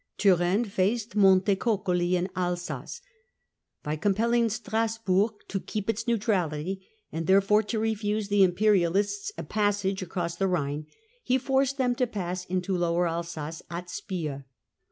Turenne faced Montecuculi in Alsace. By compelling Strassburg to keep its neutrality, and there fore to refuse the imperialists a passage across the Rhine, he forced them to pass into Lower Alsace at Spire.